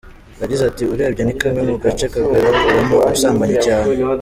Yagize ati “ Urebye ni kamwe mu gace kagaragaramo ubusambanyi cyane.